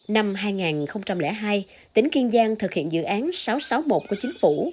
năm hai nghìn hai tỉnh kiên giang thực hiện dự án sáu trăm sáu mươi một của chính phủ